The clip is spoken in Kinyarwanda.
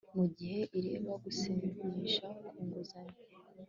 mugihe ireba gusinyisha ku nguzanyo